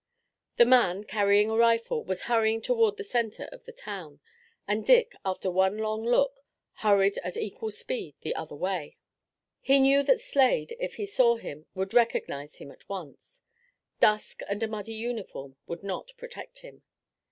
The man, carrying a rifle, was hurrying toward the center of the town, and Dick, after one long look, hurried at equal speed the other way. He knew that Slade, if he saw him, would recognize him at once. Dusk and a muddy uniform would not protect him.